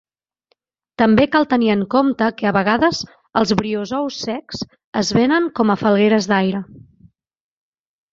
També cal tenir en compte que a vegades els briozous secs es venen com a falgueres d'aire.